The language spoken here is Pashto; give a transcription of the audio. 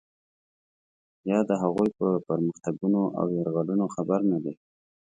یا د هغوی په پرمختګونو او یرغلونو خبر نه دی.